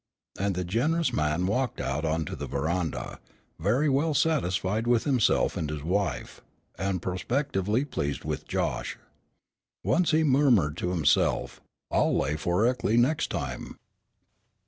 And the generous man walked out on to the veranda, very well satisfied with himself and his wife, and prospectively pleased with Josh. Once he murmured to himself, "I'll lay for Eckley next time."